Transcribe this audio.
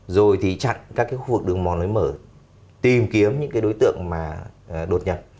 rồi thì chặn các cái khu vực đường mòn lối mở tìm kiếm những cái đối tượng mà đột nhập